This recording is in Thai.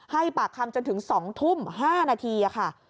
ให้ปากคำจนถึงสองทุ่มห้านาทีครับ